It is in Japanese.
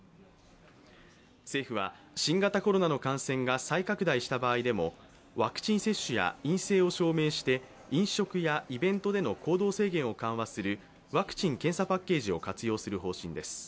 政府は、新型コロナの感染が再拡大した場合でもワクチン接種や陰性を証明して飲食やイベントでの行動制限を緩和するワクチン・検査パッケージを活用する方針です。